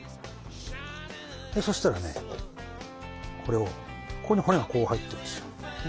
そしたらねこれをここに骨がこう入ってるんですよ。